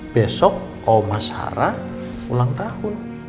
besok oma sarah ulang tahun